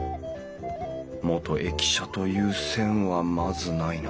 元駅舎という線はまずないな。